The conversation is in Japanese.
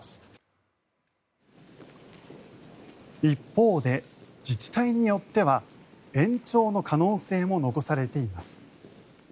一方で、自治体によっては延長の可能性も残されています。